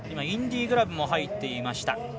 インディグラブも入ってました。